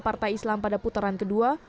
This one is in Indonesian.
partai islam pada putaran kedua